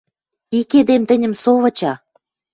Ик эдем тӹньӹм со выча...